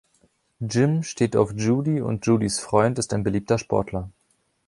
Jim steht auf Judy und Judys Freund ist ein beliebter Sportler.